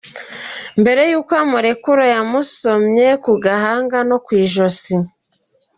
Mbere y’uko amurekura yamusomye ku gahanga no ku ijosi.